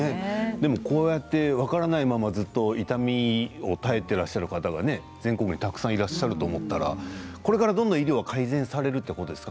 でもこれって分からないまま痛みに耐えていらっしゃる方が全国にたくさんいらっしゃると思ったらどんどん医療はこれから改善されるということですか？